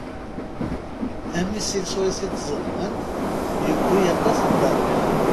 Amisil swayes i d-ẓedmen yewwi aṭas n terwiḥin.